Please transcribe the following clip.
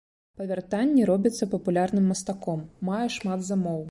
Па вяртанні робіцца папулярным мастаком, мае шмат замоў.